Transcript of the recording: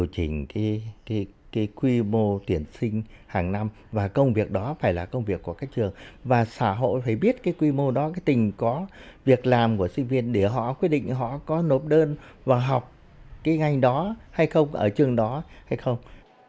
điều chỉnh cái quy mô tuyển sinh hàng năm và công việc đó phải là công việc của các trường và xã hội phải biết cái quy mô đó cái tình có việc làm của sinh viên để họ quyết định họ có nộp đơn vào học cái ngành đó hay không ở trường đó hay không